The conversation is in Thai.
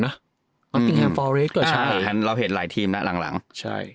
นะอืมคือตัวเองอ่าอันเราเห็นหลายทีมน่ะหลังใช่